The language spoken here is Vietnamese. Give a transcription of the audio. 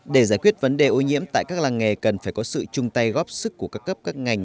để giải quyết vấn đề ô nhiễm tại các làng nghề cần phải có sự chung tay góp sức của các cấp các ngành